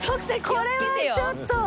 これはちょっと。